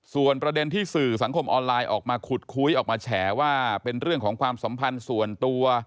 ส่วนประเด็นที่สื่อสังคมออนไลน์ออกมาขุดคุยออกมาแฉว่าเป็นเรื่องของความสัมพันธ์ส่วนตัว